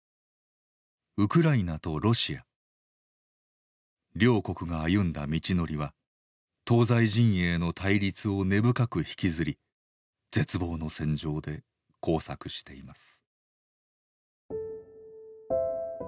ウクライナとロシア両国が歩んだ道のりは東西陣営の対立を根深く引きずり絶望の戦場で交錯しています。